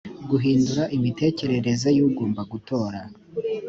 guhindura imitekerereze y ugomba gutora